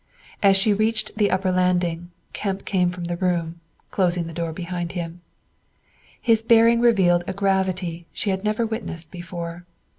As she reached the upper landing, Kemp came from the room, closing the door behind him. His bearing revealed a gravity she had never witnessed before.